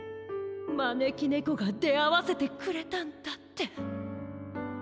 まねきねこがであわせてくれたんだって。